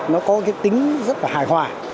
nó có cái tính rất là hài hòa